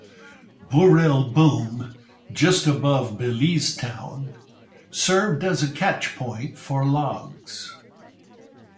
Burrell Boom just above Belize Town served as a catch-point for logs.